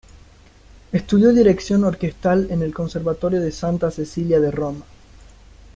Estudió dirección orquestal en el Conservatorio de Santa Cecilia de Roma.